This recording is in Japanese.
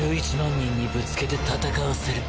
人にぶつけて戦わせる。